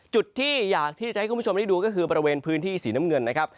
จุดที่อยากที่จะให้คุณผู้ชมได้ดูก็คือบริเวณพื้นที่สีน้ำเงินนะครับ